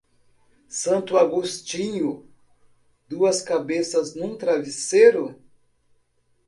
Santo Agostinho, duas cabeças num travesseiro.